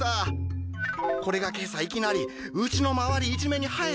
これが今朝いきなりうちの周り一面に生えたんです。